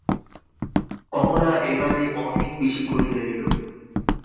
কমলা এবারে অনেক বেশি করিয়া দিল।